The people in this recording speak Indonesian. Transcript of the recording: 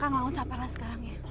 kekang langsung sabarlah sekarang ya